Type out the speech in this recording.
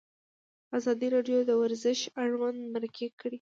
ازادي راډیو د ورزش اړوند مرکې کړي.